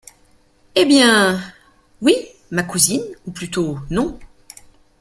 Eh bien! oui, ma cousine, ou plutôt, non.